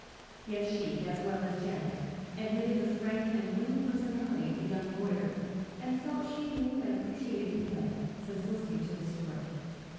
Yet she, as well as Janet, admitted the frank and winning personality of the young lawyer and felt she knew and appreciated him better since listening to his story.